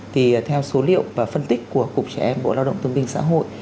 thì theo số liệu và phân tích của cục trẻ em bộ lao động tương bình xã hội